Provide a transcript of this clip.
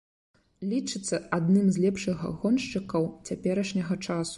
Лічыцца адным з лепшых гоншчыкаў цяперашняга часу.